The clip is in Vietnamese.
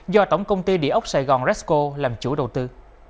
do tổng công ty địa ốc sài gòn resco làm chủ đầu tư